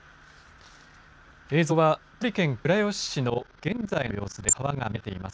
映像は鳥取県倉吉市の現在の様子です。